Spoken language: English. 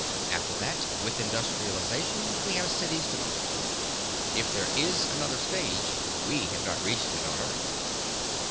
After that, with industrialization, we have cities developing. If there is another stage we have not reached it on earth."